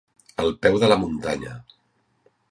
Al peu de la muntanya.